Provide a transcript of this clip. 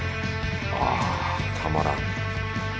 あぁたまらん。